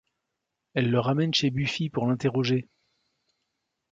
Elle le ramène chez Buffy pour l'interroger.